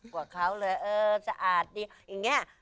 กว่าเขาเลยเออสะอาดดีอย่างนี้